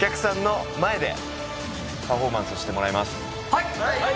・はい！